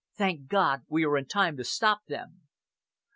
"Thank God we are in time to stop them!"